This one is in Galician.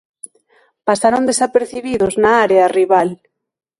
Pasaron desapercibidos na área rival.